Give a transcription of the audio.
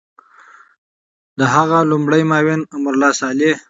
د هغه لومړی معاون امرالله صالح